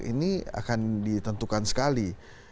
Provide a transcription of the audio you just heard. ini akan ditentukan sekali